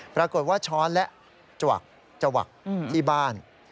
ปรากฏว่าช้อนและจวักที่บ้าน